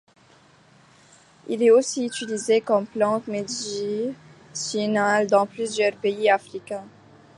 Il est aussi utilisé comme plante médicinale dans plusieurs pays africains.